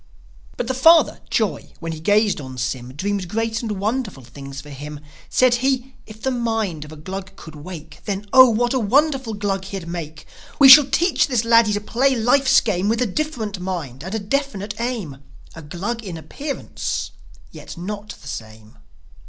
But the father, joi, when he gazed on Sym, Dreamed great and wonderful things for him. Said he, "If the mind of a Glug could wake Then, Oh, what a wonderful Glug he'd make! We shall teach this laddie to play life's game With a different mind and a definite aim: A Glug in appearance, yet not the same."